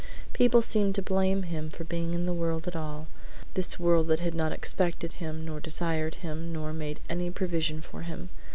People seemed to blame him for being in the world at all; this world that had not expected him nor desired him, nor made any provision for him.